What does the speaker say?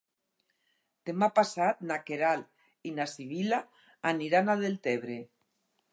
Demà passat na Queralt i na Sibil·la aniran a Deltebre.